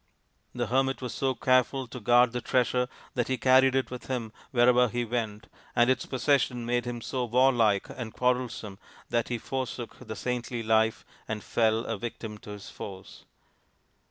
The hermit was so careful to guard the treasure that he carried it with him wherever he went, and its possession made him so warlike and quarrelsome that he forsook the saintly life and fell a victim to his foes."